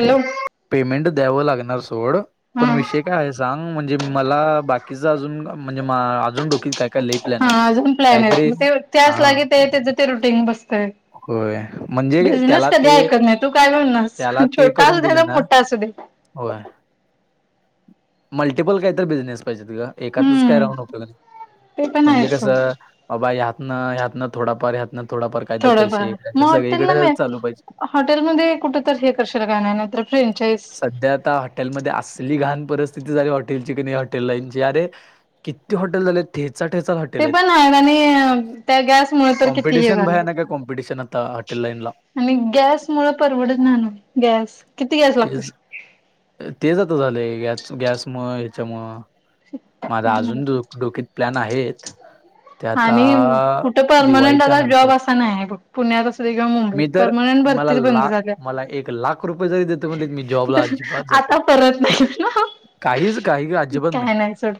Hello payment द्यावं लागणार सोड हा पण विषय काय आहे सांग म्हणजे मला बाकीच अजून म्हणजे अजून डोकीत काय काय ले हा अजून प्लॅन आहे ते त्याच लागे ते त्याच ते रुटीन बसतय होय म्हणजे बिझनेस त्याला कधी ते ऐकत नाही तू काय म्हणणारस त्याला ते छोटा करून असू दे ना दिलं मोठा असू दे होय मल्टिपल कायत बिझनेस च काय हम्म राह ते पण आहे म्हणजे कस सोड बाबा ह्यात थोडफार्यात ना थोडाफार काही तर थोडंफार पैसे मग सगळी हॉटेलला इकडे मी चालू पाहिजे हॉटेलमध्ये कुठ तर हे करशील काय नाही नाहीतर फ्रेंचाईज सध्या आता हॉटेलमध्ये असली घण परत झा हॉटेलची की नाही हॉटलईन ची अर किती हॉटेल झाले ह ते पण आहेत आणि त्या गॅस मुळ तर किती हे झालय क कॉपटिशन आता हटल लाईनला आणि गॅस मुळ परवडत ना ना गॅस किती गॅस लागते तेच तेच आता झालंय ग गॅस म त्याच्यामु माझा काय नाही अजूनो डोकत प्लॅन आहेत ते आता आणि कुठे परर्मनंट दिवाळीच्या आता नंतर जॉब असा नाही नाही पुण्यात अस किवा मुंबईत मी तर परमनंट मला भरतीच बंद लाख झाल्या मला एक लाख रुपये जरी देतो म्हणले मी जॉबला अजिबात जात नाही आता परत नाही ना काहीच काही अजिबात काय नाही सोड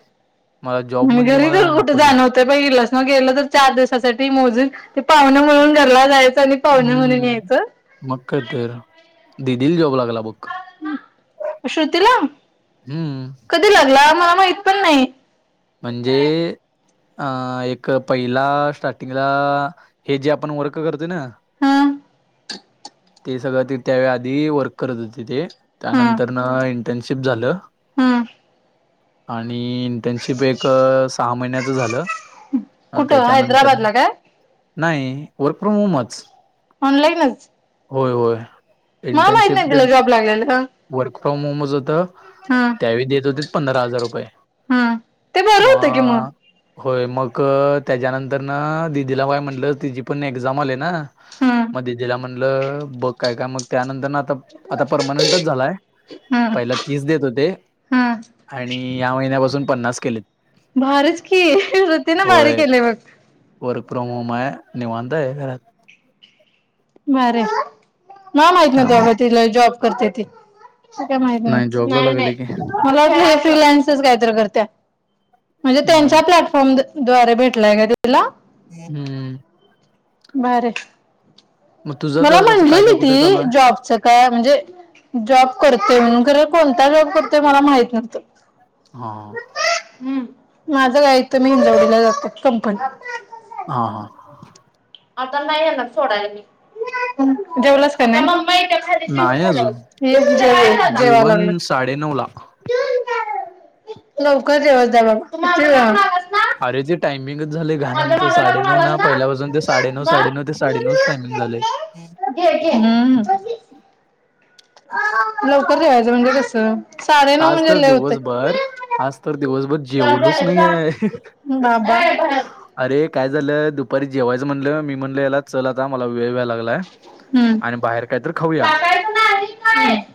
मला जॉब म्हणजे घरी मला जर कुठे नकोच आहे जाण होतंय प इलास मग गेलं तर चार दिवसासाठी मोजून ते पाहणे म्हणूनरला जायच हम्म मग ख तर दिदीील जॉब लागला बुक श्रुतला हम्म कधी लागला मला माहित पण नाही म्हणजे अ एक पहिला स्टार्टिंगला हे जे आपण वर्क करतो ना हं ते सगळं ते त्यावेळे आधी वर्क करत होते ते त्यानंतरन इंटर्नशिप झालं हम्म आणि त्यांची अ, कुठं त्याच्यानंतर हैदराबादला काय नाही वर्क फ्रॉम होमच ऑनलाईनच होय होय मला माहित इंटर्नशिप नाही तिला जॉब लागलेला वर्क प्र मोोमोज होत हं त्यावे देत होते पंधरा हजार रुपये हं ते बरं म होतं की मग होय मग त्याच्यानंतर ना दिदीला काय म्हटलं तिची पण एक्झाम आली ना हं मध्ये जला म्हणलं बघय का मग त्यानंतर आता परमनंटच झालाय हा पहिला तीस देत होते हा आणि या महिन्यापासून पन्नास केलेत भारीच की शृती ना भारी होय केलेय मग वर्क फ्रॉम होम आहे निवाांता आहे घरात बर ना माहित नत त्यामुळ बाबा तिला जॉब करते ती काय नाही जॉबला माहितीग लागले की मला वाट फ्रीलान्सच कायत करत म्हणजे त्यांच्या नाही प्लॅटफॉर्म द द्वारे भेटलाय काय तुला. हम्म बरंय म मला म्हणलेली ती जॉबच काय म्हणजे जॉब करतोय म्हणून खर कोणता जॉब करतोय मला माहित नव्हतं. हा माझं काय इथ मी हिंजवडीला जातोय कंपनीत. हा हा आता नाहीणा येणार सोडाय मी जेवलास का नाय. नाही अजून जेव ये जेवायला लागलोय जेवण साडे नऊ ला. [inaudible] लवकर जेवतजा बाबा किती वेळ. अरेज टाईम मिंगच झालंय घाणआमच साडे नऊ ना पहिल्यापासून ते साडे नऊ, साडे नऊ, ते साडे नऊच टाइमिंग झालंय. घे घे [inaudible] लवकर जेवायचं म्हणजे कस आज तर दिवसभर आज तर दिवसभर जेवलोच नाहीय. बाबा अरे काय झालं दुपारी जेवायचं म्हणल मी म्हणल याला चल आता मला वे वेळ व्हायलागलाय हम्म आणि बाहेर कायतर खाऊया हम्म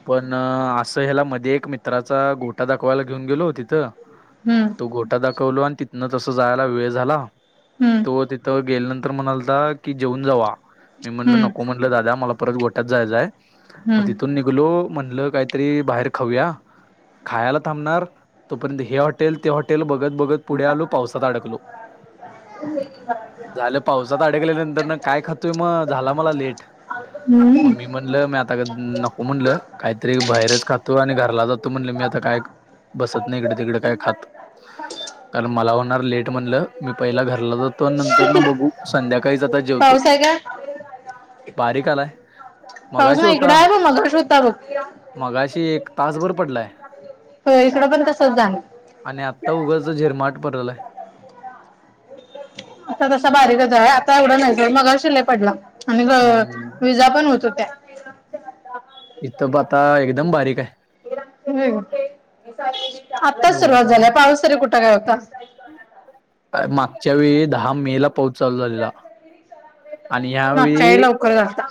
पण अ अस ह्याला मध्ये एक मित्राचा गोटा दाखवायला घेऊन गेलो तिथं तो गोटा दाख कवलो आणि तिथनं तस जायला वेळ झाला हम्म तो तिथं गेल्यानंतर तर म्हणालता की जेऊन जावा मी म्हणल हम्म नको म्हणलं दादया मला परत गोठ्यात जायचंय. मग हम्म तिथून निघलो म्हणल काहीतरी बाहेर खाऊया. खायला थांबणार तोपर्यंत हे हॉटेल ते हॉटेल बघ बगत बगत पुढे आलो पावसात अडकलो. झालं पावसात अडकल्या नंतर न काय खातोय म झाला मला लेट. म हम्म मी म्हणलं मी आता नको म्हणलं काहीतरी बाहेरच खातो आणि घरला जातो म्हणल मी आता काय बसत नाही इकड तिकड काय खात. कारण मला होणार लेट म्हणलं मी पहिला घरला जातो आणि नंतर न बघू संध्याका काहीज आता जेवतो पाऊस आहे का बारीक आलाय. पाऊस मगाशी नाही इकडं होता आहे बघ मगाशी होता बघ मगाशी एक तासभर पडलाय. हो इकडं पण तसच जाल. झिरमाठ पडालाय. आता तसा बारीकच हाय आता एवढं नाही सोड मगाशी लय पडला. आणि अ हम्म विजा पण होत होत्या. इथ ब आता एकदम बारीक हाय. हम् आताच एवढा सुरुवात झाल्या काय पाऊस तरी कुठं काय होता. मागच्या वेळी दहा मे ला पाऊस चालू झालेला. आणि मागच्या वेळी ह्यावेळी लवकर झालता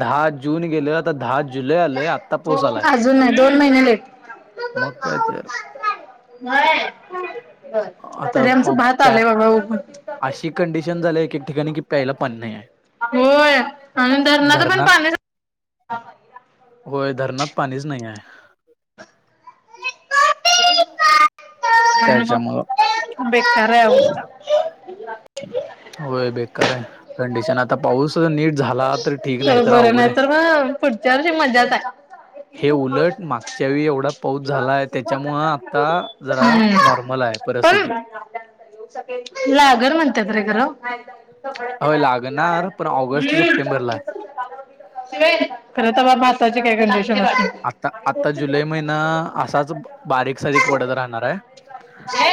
दहा जून गेलं आता दहा ज जुलै आलंय आता पाऊस आलाय अजून नाही दोन महिने लेट मग काय तर. आता तरी आमच प भात प्या आलाय बाबा उगून. अशी कंडिशन झाल्या एक एक ठिकाणी की प्यायला पाणी नाहीय. होय आणि धरणाच पण धरणात पाणी होय धरणात पाणीच नाहीय. म त्याच्यामुळं बेकार हाय अवस्था. होय बेकार हाय कंडिशन आता पाऊस नीट झाला ठीक नाही तर बरं अवघड आहे नाहीतर म पुढच्या वर्षी मज्जाच हाय. हे उलट मागच्यावेळी एवढा पाऊच झालाय त्याच्यामुंळ आता जरा नॉर्मल आहे परिस्थिती. लागर म्हणतात रे गरं. [inaudible] होय लागणार पण ऑगस्ट सप्टेंबरला खरंता महत्वाची काय कंडिशन असते. आता आता जुलै महिना असाच बारीकसारीक पडत राहणार आहे.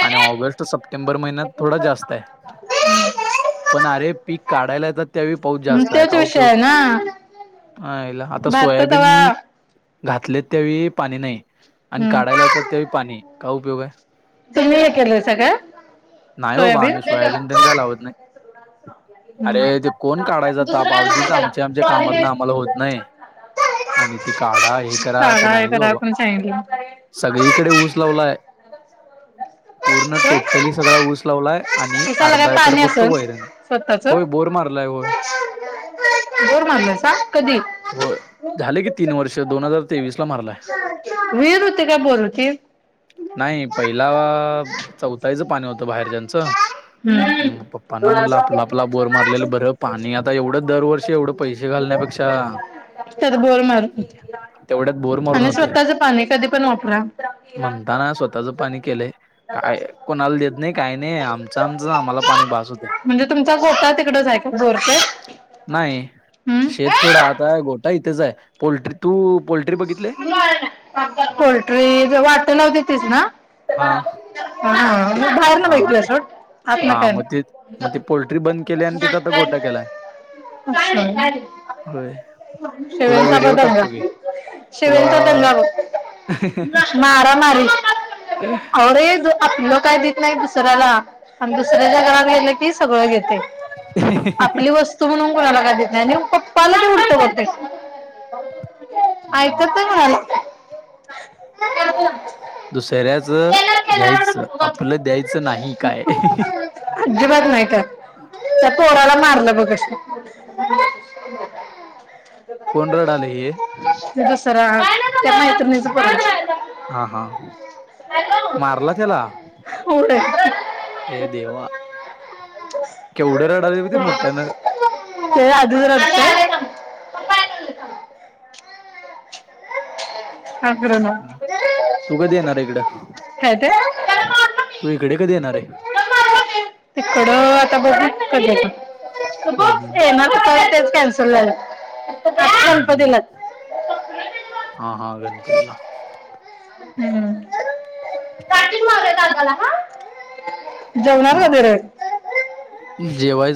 आणि ऑगस्ट सप्टेंबर महिन्यात थोडा जास्त आहे. पण अरे पीक काढायला य तर त्यावेळी पाऊस हम्म जास्त आहे तेच का विषय उपयोग. आयला ह बारक कवा घातले त्यावेळी पाणी नाही. आणि हम्म. काढायला येतात ते पाणी का उपयोग आहे. तुम्ही हे केलंयसा काय नाही बाबा आम्ही सोयाबीन तेन काय लावत नाही. अरे हम्म. ते कोण काढायचं तप आधीच आमच्या आमच्या कामातन आम्हाला होत नाही. आणी ते. काढा हे करा ते काढा हे नाहीच करा बाबा कोणी सांगितलं. सगळीकडे ऊस लावलाय. पूर्ण काय? टोटली सगळा ऊस लावलाय आणि उसाला काय अर्धा एकर पाणी फक्त असल वैरन. होय स्वतःच? बोर मारलाय होय. कधी. हो झाले की तीन वर्ष दोन हजार तेवीस ला मारलाय वीहिर होती का बोर होती. नाही पहिला चौथाईचं पाणी होत बाहेरच्याचं. हम्म म पप्पांना म्हण आपला आपला बोर मारलेलं बरं पाणी आता एवढं दरवर्षी एवढं पैसे घाल त्यात बोर मारत नाहीत. तेवढ्यात बोर मारून आणि होतोय स्वतःच पाणी कधी पण वापरा. म्हणताना स्वतःच पाणी केलंय काय कोणाला देत. नाही काही नाही आमचं आमचं ना आम्हाला पाणी बस होतय. म्हणजे तुमचा गोठा तिकडच आहे का बोर ते? नाही हम्म शेत थोडा आताय गोटा ही हिताचं आहे पोल्ट्री तू पोल्ट्री बघितले पोल्ट्री वाटला होती तीच ना? हा हा मी बाहेरन हा बघितलं सोड. आतन हा काय? मग ते मग ते पोल्ट्री बंद केली आणि तिथं आता गोटा केलाय होय तुला व्हिडिओ टाकतो की [unintelligible] [inaudible] तुला दंगा बघ. मारा मारी अरेच आपलं काय देत नाही दुस दुसऱ्याला आणि दुसऱ्याच्या घरात गेले की सगळं घेतय. आपली वस्तू म्हणून कोणाला काय देत नाय आणि पप्पाला मग आयकत नाही कोणाला. ह. दुसऱ्याच घ्यायचं आपलं द्यायचं नाही काय? अजिबात नाही का. [unintelligible] पोराला मारलं बग कशी. कोण रडाले हे त दसरा त्या मैत्ररणीच परत. हा हा मारला त्याला. उलट हे देवा! केवढ रडाली बगती मोठ्यान. ते अधीच रडतयं. आग्रह तू कधी येणार इकडं? काय ते तू इकडे कधी येणार आहे. थोडं आता बघू कधी यायचं हम्म, हम्म, [inaudible] [unintelligible] हम्म हम् हा हा गणपतीला. हम्मची मागय का आला हा जेवणार मग वधरे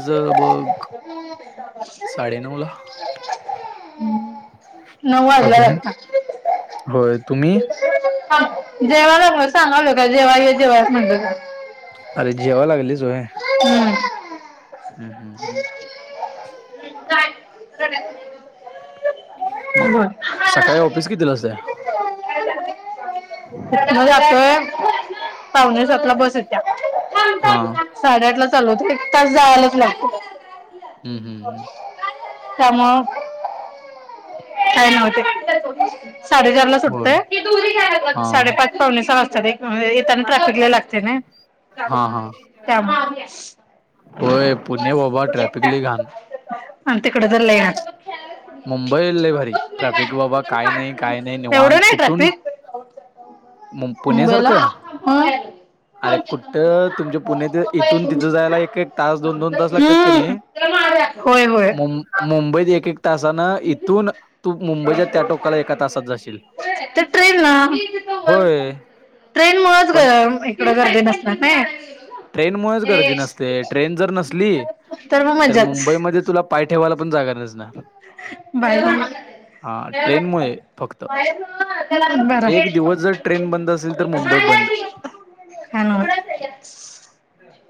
ज बघ साडेनऊ ला नऊ वाजला अजून आहे? लाता होय तुम्ही जेवाला म सांगावल का जेव ये जेव म्हणत अरे जेवा लागलीचोय हम् ह हम्म हम्म हम् ब मग सकाळी ऑफिस कितीलास इथन जातोय पावुणे स्वतला बस येत्या हा साडेआठ ला चालवत एक तास जायलाच लागत हम्म हम्म हम्म त्या म काय नव्हते साडेचार ला होय सुटतय हा साडेपाच पावणेचा वाजताात येताना ट्रॅफिकला लागते ना हा हा त्यामुळे होय पुणे वबा ट्रॅफिक ल घाण अ त कडदल मुंबई ये आहे भारी ट्रॅफिक बाबा काय नाही काय नाही निवण एवढं नाही कुठून ट्रॅफिक म पुण्या मुंबईला सारखं अरे कुठठ तुमच्या पुण्या इथून तिथं जायला एक एक तास दोन दोन हम्म होय होय मुबईत त इथून तू मुंबईच्या त्या टोकाला एका तासात जाशील ते ट्रेन ना होय ट्रेन मुळच पण इडं गर्दी नसत नाही ट्रेनमुळेच गर्दी नसते ट्रेन जर नसली मग तर मजाच मुंबईमध्ये तुला पाय ठेवायला पण जागा नसणार बाय हा ट्रेन मु फक्त बरं. काय एक दिवस जर ट्रेन बंद असेल तर मुंबई बंद का ना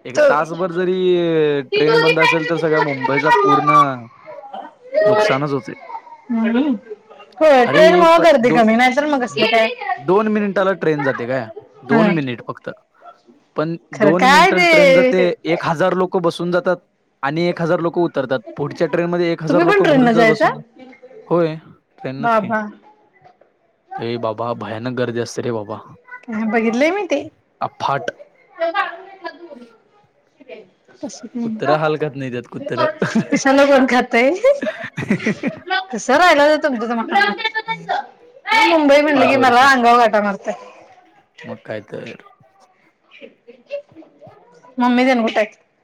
एक तासभर जरी ट्रेन बंद असेल तर सगळ्या मुंबईचा पूर्ण नुकसानच होते हम हो अरे ट्रेन हे मग प गर्दी दो कमी नाहीतर मग दो कसलं काय दोन मिनिटाला ट्रेन जाते काय हा दोन मिनिट फक्त पण खरं दोन काय मिनटल ट्रेन जाते ते एक हजार लोक बसून जातात आणि एक हजार लोक तर त्यात पुढच्या ट्रेनमध्येध्ये एक हजार तुम्ही पण लोक ट्रेन भरून न जात जायचा बसून होय ट्रेन नच की बाबा अ बाबा भयानक गर्दी असते रे बाबा बघितलेय मी ते अफाट [inaudible] कुत्र हलकत नाही त्यात कुत्र कशाला कोण खातय तसं राहिलं तुमच त मगड हम मुंबई म्हणली गी मला अंगाव घाटा मारते मकाय तरर म्मी देण कुठ